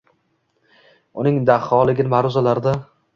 uning daholigin maʼruzalarda